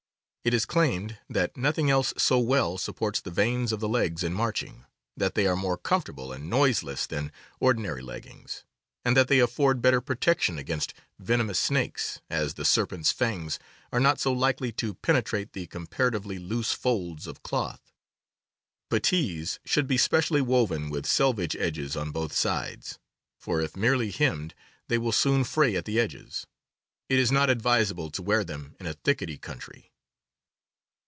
It is claimed that nothing else so well supports the veins of the legs in marching, that they are more comfortable and noiseless than ordinary leggings, and that they afford better protection against venomous snakes, as the serpent's fangs are not so likely to penetrate the comparatively loose folds of cloth. Puttees should be specially woven with selvage edges on both sides, for if merely hemmed they will soon fray at the edges. It is not advisable to wear them in a thickety country.